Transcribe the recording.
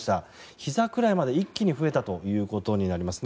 ひざくらいまで一気に増えたことになりますね。